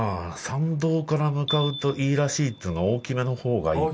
「参道から向かうといいらしい」っていうのは大きめの方がいいか。